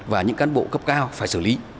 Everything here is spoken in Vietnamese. và những cán bộ cấp cao phải xử lý